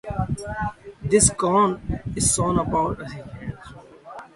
This corn is sown upon a spot of ground never before cultivated.